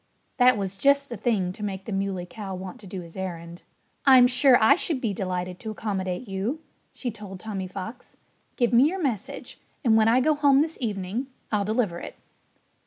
That was just the thing to make the Muley Cow want to do his errand. "I'm sure I should be delighted to accommodate you," she told Tommy Fox. "Give me your message. And when I go home this evening I'll deliver it."